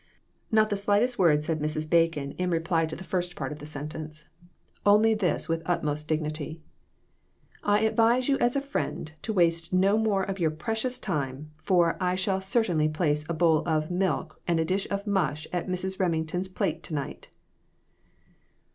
Not the slightest word said Mrs. Bacon in 20O CROSS LOTS. reply to the first part of the sentence. Only this with utmost dignity "I advise you as a friend to waste no more of your precious time, for I shall certainly place a bowl of milk and a dish of mush at Mrs. Rem ington's plate to night."